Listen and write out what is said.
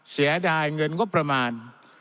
เสียดายเงินงบประมาณ